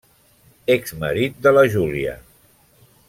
Exmarit de la Júlia.